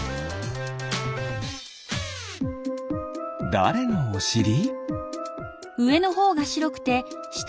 だれのおしり？